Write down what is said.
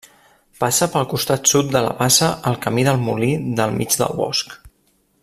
Passa pel costat sud de la bassa el Camí del Molí del Mig del Bosc.